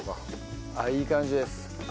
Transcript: ああいい感じです。